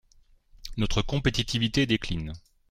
Notre compétitivité décline.